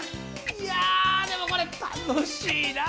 いやでもこれ、楽しいな。